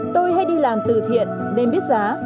tôi hay đi làm tử thiện nên biết giá